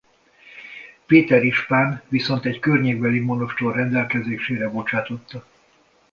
Péter ispán viszont egy környékbeli monostor rendelkezésére bocsátotta.